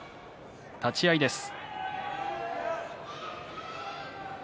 立ち合いです。